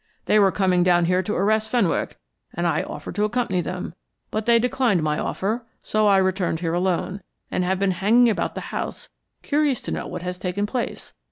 They were coming down here to arrest Fenwick, and I offered to accompany them; but they declined my offer, so I returned here alone, and have been hanging about the house, curious to know what had taken place.